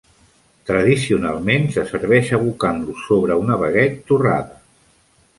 Tradicionalment se serveix abocant-lo sobre una baguet torrada.